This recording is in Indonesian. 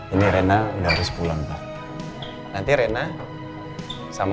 ini rena dari sepuluh entar nanti rena sama